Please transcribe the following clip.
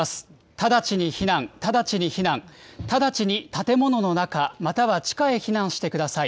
直ちに避難、直ちに避難、直ちに建物の中、または地下へ避難してください。